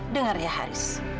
dengar ya haris